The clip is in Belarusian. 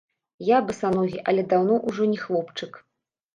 Я басаногі, але даўно ўжо не хлопчык.